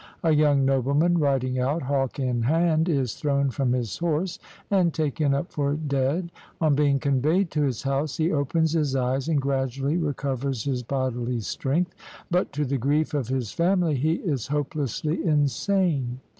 A young nobleman, riding out, hawk in hand, is thrown from his horse and taken up for dead. On being conveyed to his house, he opens his eyes and gradually recovers his bodily strength; but, to the grief of his family, he is hopelessly insane.